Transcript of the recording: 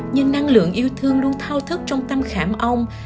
nhưng năng lượng yêu thương luôn thao thức trong tâm khảm ông